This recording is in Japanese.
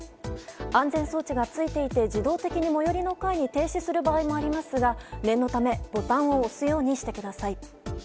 安全装置がついていて自動的に最寄りの階に停止する場合もありますが念のためボタンを押すようにしてください。